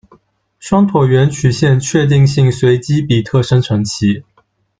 双椭圆曲线确定性随机比特生成器。